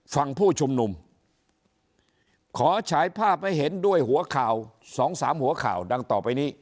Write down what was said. ผู้ชุมนุมขอฉายภาพให้เห็นด้วยหัวข่าวสองสามหัวข่าวดังต่อไปนี้